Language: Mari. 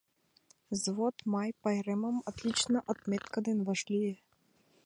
Взвод Май пайремым «отлично» отметка дене вашлие.